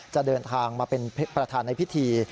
จะเดินทางมาเป็นประธานในพิธี